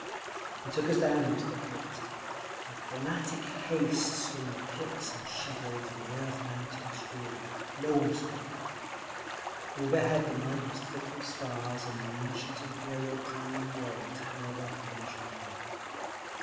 He took us down into the pit. In frantic haste swung the picks and shovels, and the earth—mountains grew. No one spoke. Overhead the night was thick with stars, and the ancient Imperial Kremlin wall towered up immeasurably.